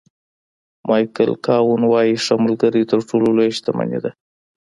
مایکل کاون وایي ښه ملګری تر ټولو لویه شتمني ده.